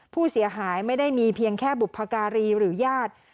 ผู้เสียหายไม่ได้มีเพียงแค่บุพการีหรือญาติ